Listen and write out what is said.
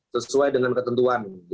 sesuai dengan ketentuan